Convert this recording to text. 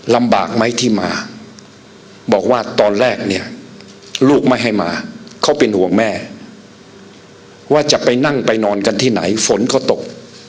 ลำบากไหมที่มาบอกว่าตอนแรกเนี่ยลูกไม่ให้มาเขาเป็นห่วงแม่ว่าจะไปนั่งไปนอนกันที่ไหนฝนเขาตก